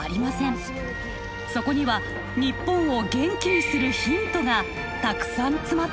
そこには日本を元気にするヒントがたくさん詰まっているんです。